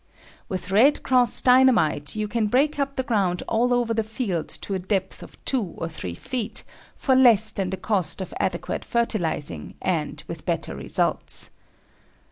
With "Red Cross" Dynamite you can break up the ground all over the field to a depth of two or three feet, for less than the cost of adequate fertilizing, and with better results.